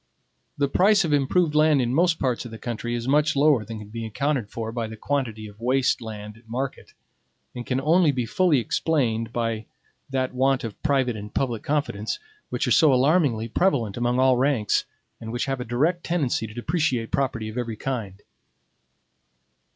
The price of improved land in most parts of the country is much lower than can be accounted for by the quantity of waste land at market, and can only be fully explained by that want of private and public confidence, which are so alarmingly prevalent among all ranks, and which have a direct tendency to depreciate property of every kind.